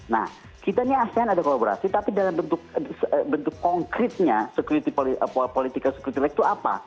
nah kita ini asean ada kolaborasi tapi dalam bentuk konkretnya security political security itu apa